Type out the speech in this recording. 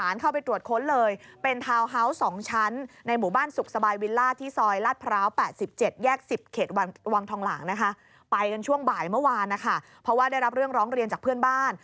เรียนจากเพื่อนบ้าน